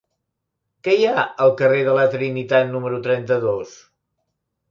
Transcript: Què hi ha al carrer de la Trinitat número trenta-dos?